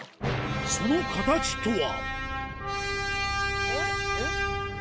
その形とは。